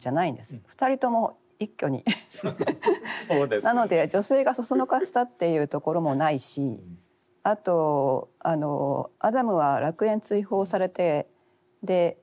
なので女性がそそのかしたというところもないしあとアダムは楽園追放されて神と和解してるんです。